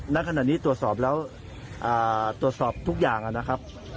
ร้านขนาดนี้ตรวจสอบแล้วตรวจสอบทุกอย่างอ่ะนะครับ